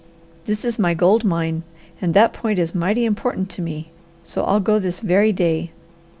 This is my gold mine, and that point is mighty important to me, so I'll go this very day.